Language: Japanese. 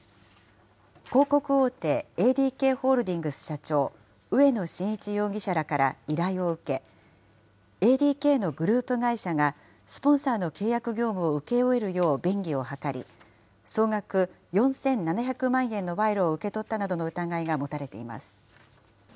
広告大手、ＡＤＫホールディングス社長、植野伸一容疑者らから依頼を受け、ＡＤＫのグループ会社がスポンサーの契約業務を請け負えるよう便宜を図り、総額４７００万円の賄賂を受け取ったなどの疑いが持たれています。